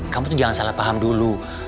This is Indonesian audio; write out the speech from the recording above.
kamu tuh jangan salah paham dulu